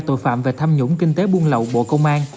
tội phạm về tham nhũng kinh tế buôn lậu bộ công an